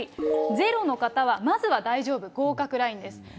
０の方はまずは大丈夫、合格ラインです。